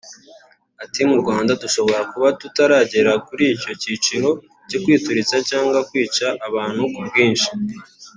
Ati “[Mu Rwanda] Dushobora kuba tutaragera kuri icyo cyiciro cyo kwituritsa cyangwa kwica abantu ku bwinshi